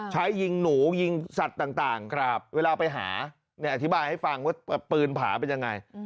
ใช้ยิงหนูยิงสัตว์ต่างเวลาไปหาอธิบายให้ฟังว่าปืนผาเป็นยังไง